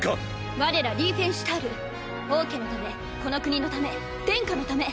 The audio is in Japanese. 我らリーフェンシュタール王家のためこの国のため殿下のため。